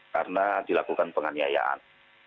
karena dilakukan penganiayaan